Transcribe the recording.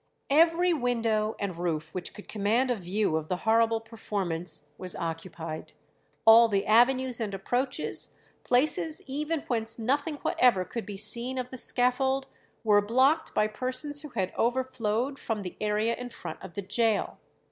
Every window and roof which could command a view of the horrible performance was occupied. All the avenues and approaches, places even whence nothing whatever could be seen of the scaffold, were blocked by persons who had overflowed from the area in front of the gaol.